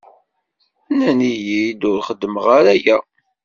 Nnan-iyi-d ur xeddmeɣ ara aya.